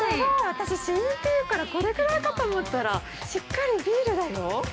私、試飲というからこれくらいかと思ったらしっかりビールだよ？